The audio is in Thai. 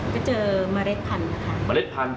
จะเจอเมล็ดพันธุ์ค่ะ